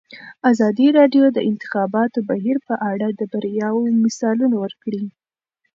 ازادي راډیو د د انتخاباتو بهیر په اړه د بریاوو مثالونه ورکړي.